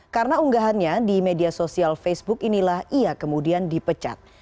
karena unggahannya di media sosial facebook inilah ia kemudian dipecat